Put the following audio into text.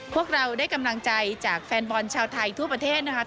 พวกเราได้กำลังใจจากแฟนบอลชาวไทยทั่วประเทศนะคะ